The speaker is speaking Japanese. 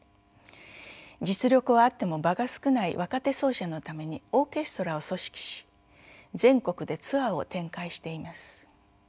実力はあっても場が少ない若手奏者のためにオーケストラを組織し全国でツアーを展開しています。